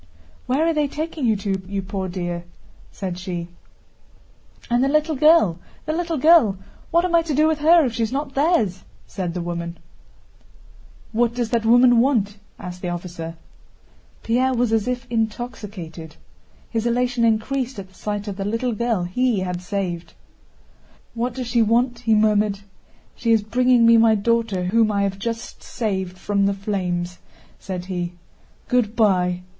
"Where are they taking you to, you poor dear?" said she. "And the little girl, the little girl, what am I to do with her if she's not theirs?" said the woman. "What does that woman want?" asked the officer. Pierre was as if intoxicated. His elation increased at the sight of the little girl he had saved. "What does she want?" he murmured. "She is bringing me my daughter whom I have just saved from the flames," said he. "Good by!"